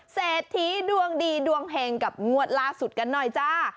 เศรษฐีดวงดีดวงเห็งกับงวดล่าสุดกันหน่อยจ้า